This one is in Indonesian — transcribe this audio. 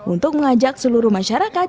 untuk mengajak seluruh masyarakat